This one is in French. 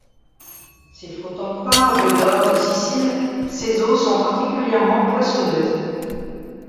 S'il faut en croire Diodore de Sicile, ses eaux sont particulièrement poissonneuses.